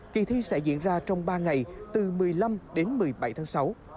kỳ thi sẽ diễn ra trong ba ngày từ một mươi năm đến một mươi bảy tháng sáu